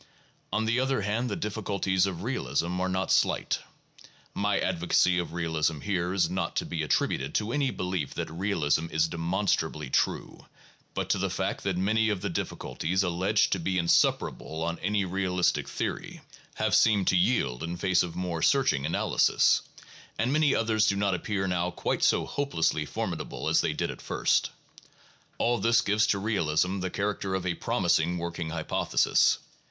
On the other hand the difficulties of realism are not slight. My advocacy of realism here is not to be attributed to any belief that realism is demonstrably true, but to the fact that many of the difficulties, alleged to be insuperable on any realistic theory, have seemed to yield in face of more searching analysis, and many others do not appear now quite so hopelessly formidable as they did at first. All this gives to realism the character of a promising working hypothesis.